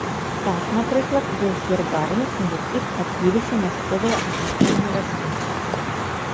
Так, напрыклад, ёсць гербарыі, у якіх адбіліся мясцовыя азначэнні раслін.